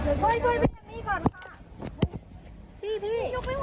โอ้โหพี่ช่วยพี่เอมมี่ก่อนค่ะ